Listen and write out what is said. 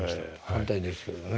反対ですけどね。